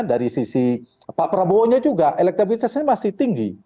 dari sisi pak prabowo nya juga elektabilitasnya masih tinggi